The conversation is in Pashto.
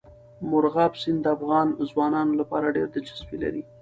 مورغاب سیند د افغان ځوانانو لپاره ډېره دلچسپي لري.